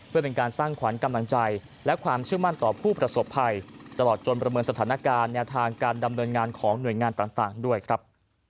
เพื่อเป็นการสร้างขวัญกำลังใจและความเชื่อมั่นต่อผู้ประสบภัยตลอดจนประเมินสถานการณ์แนวทางการดำเนินงานของหน่วยงานต่างด้วยครับ